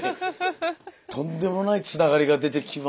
とんでもないつながりが出てきました。